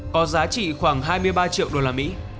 có giá trị khoảng hai mươi ba triệu đô la mỹ